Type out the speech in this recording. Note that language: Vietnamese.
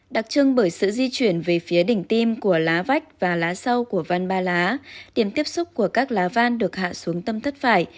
đặc trưng bởi sự di chuyển về phía đỉnh tim của lá vách và lá sâu của van ba lá điểm tiếp xúc của các lá van được hạ xuống tâm thất phải